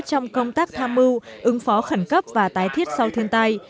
trong công tác tham mưu ứng phó khẩn cấp và tái thiết sau thiên tai